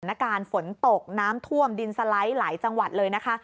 สถานการณ์ฝนตกน้ำท่วมดินสไลด์หลายจังหวัดเลยนะคะ